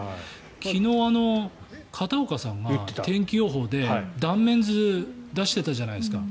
昨日、片岡さんが天気予報で断面図出してたじゃないですか。